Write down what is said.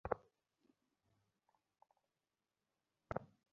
তবে একটা pay commission করা হবে বলে তিনি জানান।